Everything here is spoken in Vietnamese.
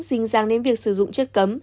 dính ràng đến việc sử dụng chất cấm